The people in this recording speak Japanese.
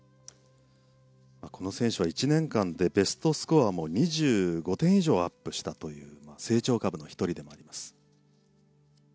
この選手は１年間でベストスコアも２５点以上アップしたという成長株の１人です。